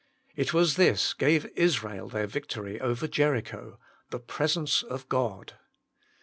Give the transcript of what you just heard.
It was this gave Israel their vic tory over Jericho : the presence of God.